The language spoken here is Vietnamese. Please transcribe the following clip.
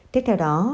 tiếp theo đó